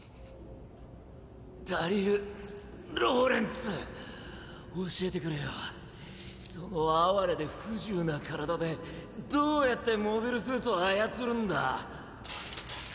ダリル・ローレンツ教えてくれよその哀れで不自由な体でどうやってモビルスーツを操るんだ？